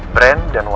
brand dan warnanya